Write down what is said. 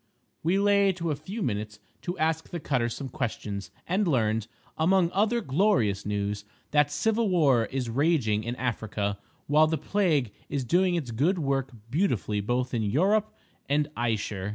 We lay to a few minutes to ask the cutter some questions, and learned, among other glorious news, that civil war is raging in Africa, while the plague is doing its good work beautifully both in Yurope and Ayesher.